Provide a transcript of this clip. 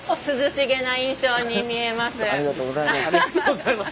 ありがとうございます。